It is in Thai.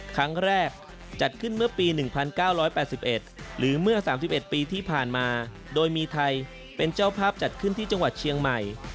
ครั้งแรกจัดขึ้นเมื่อปี๑๙๘๑หรือเมื่อ๓๑ปีที่ผ่านมาโดยมีไทยเป็นเจ้าภาพจัดขึ้นที่จังหวัดเชียงใหม่